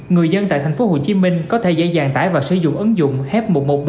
người dân tại thành phố hồ chí minh có thể dễ dàng tải và sử dụng ứng dụng hep một trăm một mươi bốn